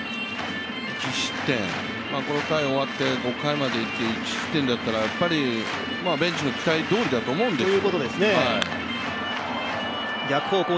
１失点、この回終わって５回まで１失点だったらベンチの期待どおりだと思うんです。